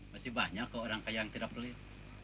masih banyak kok orang kaya yang tidak perlihat